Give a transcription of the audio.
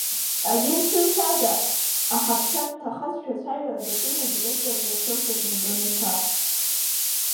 Азин шәызҭада, аҳаԥшьа дҭахазшәа ацәажәара даҿын адиректор Иасыф Дармидон-иԥа.